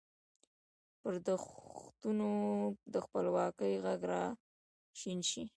پر دښتونو د خپلواکۍ ږغ را شین شي